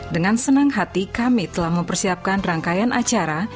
dengan senang hati kami telah mempersiapkan rangkaian acara